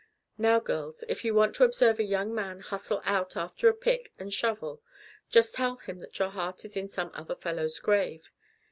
Now, girls, if you want to observe a young man hustle out after a pick and shovel, just tell him that your heart is in some other fellow's grave.